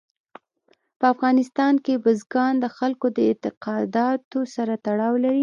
په افغانستان کې بزګان د خلکو د اعتقاداتو سره تړاو لري.